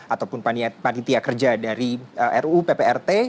ataupun panitia kerja dari ruu pprt